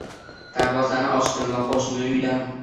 Darvozani ochdim va qoʻshni uydan